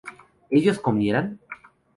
¿ellos comieran?